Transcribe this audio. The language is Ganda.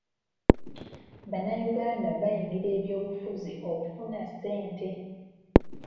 Bannayuganda bayingira eby'obufuzi okufuna ssente.